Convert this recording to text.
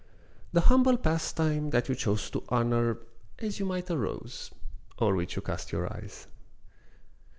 The humble pastime, that you chose To honour, as you might a rose, O'er which you cast your eyes.